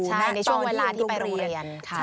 ใช่ในช่วงเวลาที่ไปโรงเรียนค่ะ